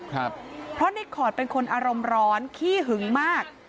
เพราะในคอร์ดเป็นคนอารมณ์ร้อนขี้หึงมาก